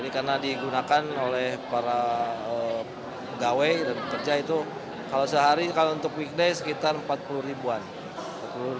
karena digunakan oleh para pegawai dan pekerja itu kalau sehari untuk weekday sekitar empat puluh an